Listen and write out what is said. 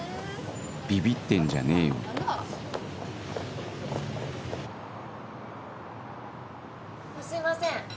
ビビってんじゃねえよ・すいません